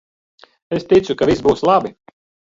Es ticu, ka viss būs labi!